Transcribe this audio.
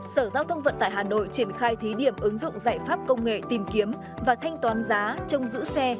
sở giao thông vận tải hà nội triển khai thí điểm ứng dụng giải pháp công nghệ tìm kiếm và thanh toán giá trong giữ xe